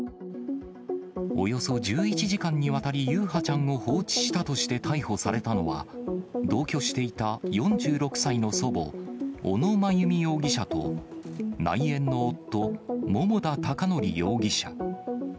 およそ１１時間にわたり、優陽ちゃんを放置したとして逮捕されたのは、同居していた４６歳の祖母、小野真由美容疑者と、内縁の夫、桃田貴徳容疑者。